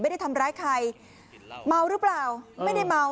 ไม่ได้ทำร้ายใครเมาหรือเปล่าไม่ได้เมา